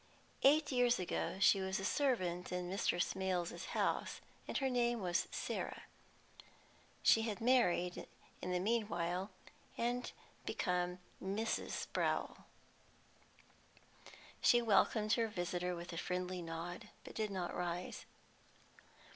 Eight years ago she was a servant in Mr. Smales's house, and her name was Sarah. She had married in the meanwhile, and become Mrs. Sprowl. She welcomed her visitor with a friendly nod, but did not rise.